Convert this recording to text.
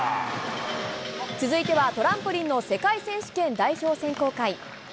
続いてはトランポリンの世界選手権代表選考会。